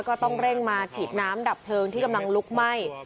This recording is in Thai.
ก็ต้องเร่งมาฉีดน้ำดับเพลิงที่กำลังลุกไหม้